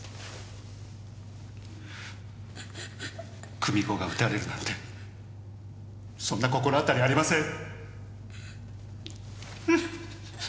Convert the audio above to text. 久美子が撃たれるなんてそんな心当たりありません。